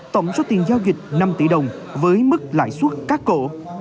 tổng số tiền giao dịch năm tỷ đồng với mức lãi suất cắt cổ